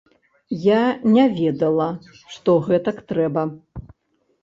Я не ведала, што гэтак трэба.